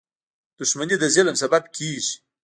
• دښمني د ظلم سبب کېږي.